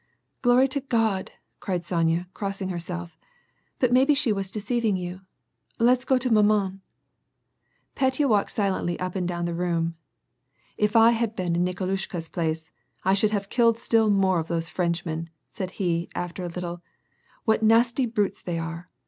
"Glory to God!" cried Sonya, crossing herself. "But maybe she was deceiving you. Let us go to maman /" Petya walked silently up and down the room. " If I had been in Nikolushka's place, I should have killed still more of those Frenchmen," said he, after a little ; "what nasty brutes they are